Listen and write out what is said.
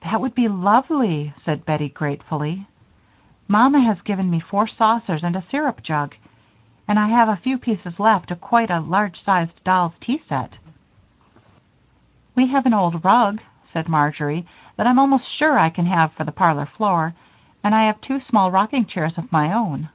"That would be lovely," said Bettie, gratefully. "Mamma has given me four saucers and a syrup jug, and I have a few pieces left of quite a large sized doll's tea set." "We have an old rug," said Marjory, "that I'm almost sure I can have for the parlor floor, and I have two small rocking chairs of my own."